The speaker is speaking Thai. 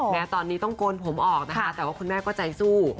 แม้ตอนนี้ต้องโกนผมออกนะคะแต่ว่าคุณแม่ก็ใจสู้